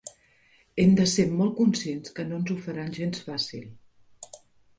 Hem de ser molt conscients que no ens ho faran gens fàcil.